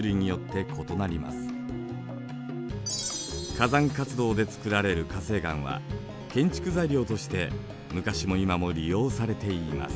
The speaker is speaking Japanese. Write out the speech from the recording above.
火山活動でつくられる火成岩は建築材料として昔も今も利用されています。